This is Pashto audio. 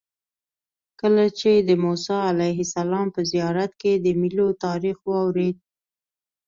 کله چې د موسی علیه السلام په زیارت کې د میلو تاریخ واورېد.